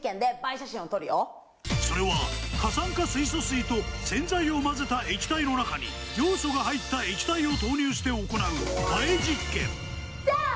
それは過酸化水素水と洗剤を混ぜた液体の中にヨウ素が入った液体を投入して行う映え実験ブチキュン！